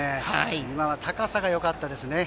今のは高さがよかったですね。